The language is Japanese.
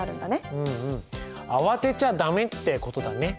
うんうん慌てちゃ駄目ってことだね。